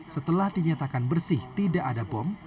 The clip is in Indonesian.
setelah dinyatakan bersih tidak ada bom